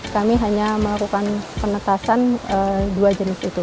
kami hanya melakukan penetasan dua jenis itu